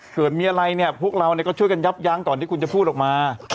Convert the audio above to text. เกิดมีอะไรผู้เราก็ช่วยกันยับยางตอนที่คุณจะพูดออกมา